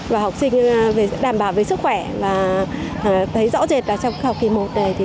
và học sinh sẽ đảm bảo về sức khỏe và thấy rõ rệt trong học kỳ một này